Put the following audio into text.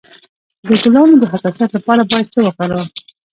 د ګلانو د حساسیت لپاره باید څه وکاروم؟